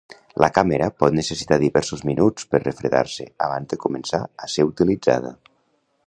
La càmera pot necessitar diversos minuts per refredar-se abans de començar a ser utilitzada.